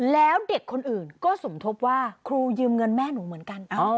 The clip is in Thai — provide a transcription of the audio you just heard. แล้วเด็กคนอื่นก็สมทบว่าครูยืมเงินแม่หนูเหมือนกัน